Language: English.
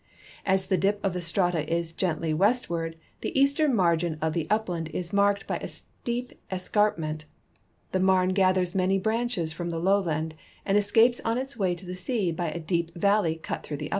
As the dip of the strata is gentl}' westward, the eastern margin of the upland is marked by a steep escarpment. The .Marne gathers man,y branches from the lowland, and escapes on its way to the sea li}' a deep vallc}' cut through the upland.